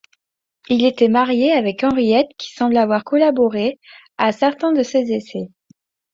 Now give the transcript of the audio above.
Il était marié avec Henriette qui semble avoir collaboré à certains de ses essais.